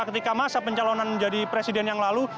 ketika masa pencalonan menjadi presiden yang lalu